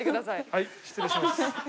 はい失礼します。